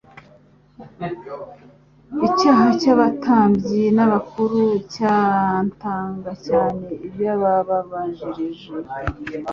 Icyaha cy'abatambyi n'abakuru cyamtaga cyane iby'abababanjirije.